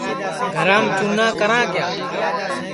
گھرام چُنا کرا کیا